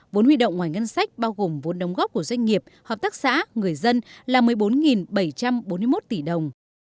vốn huy động ngoài ngân sách bao gồm vốn đồng góp của doanh nghiệp hợp tác xã người dân là một mươi bốn bảy trăm bốn mươi một tỷ đồng